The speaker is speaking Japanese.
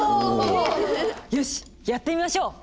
よしやってみましょう。